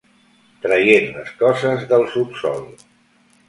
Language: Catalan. Traient les coses del subsòl.